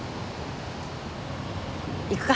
行くか。